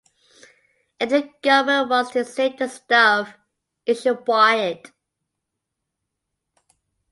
If the government wants to save this stuff it should buy it.